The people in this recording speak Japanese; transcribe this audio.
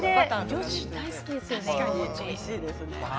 女子、大好きですよね。